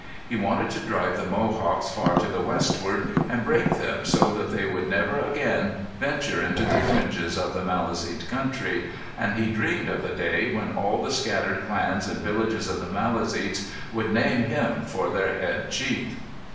He wanted to drive the Mohawks far to the westward and break them so that they would never again venture into the fringes of the Maliseet country, and he dreamed of the day when all the scattered clans and villages of the Maliseets would name him for their head chief.